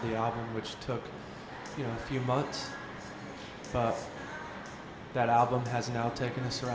lalui pada suatu saat dalam hidup mereka